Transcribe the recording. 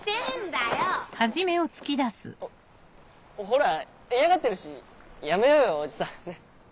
ほほら嫌がってるしやめようよおじさんねっ。